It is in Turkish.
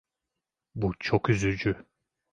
Bu çok üzücü.